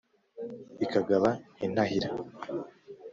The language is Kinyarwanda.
Ikagaba intahira.